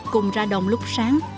cùng ra đồng lúc sáng